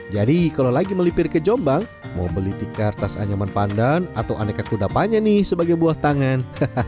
jadi kalau lagi melipir ke jombang mau beli tikar tas anyaman pandan atau aneka kuda panjang nih sebagai buah tangan